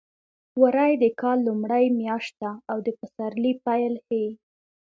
وری د کال لومړۍ میاشت ده او د پسرلي پیل ښيي.